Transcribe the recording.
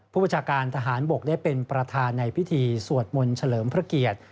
ประชาการทหารบกได้เป็นประธานในพิธีสวดมนต์เฉลิมพระเกียรติ